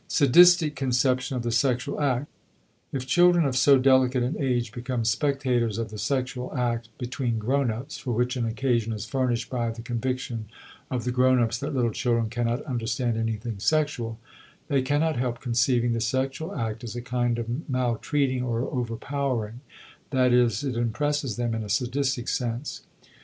*Sadistic Conception of the Sexual Act.* If children of so delicate an age become spectators of the sexual act between grown ups, for which an occasion is furnished by the conviction of the grown ups that little children cannot understand anything sexual, they cannot help conceiving the sexual act as a kind of maltreating or overpowering, that is, it impresses them in a sadistic sense.